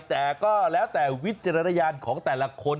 แต่ก็แล้วแต่วิจารณญาณของแต่ละคน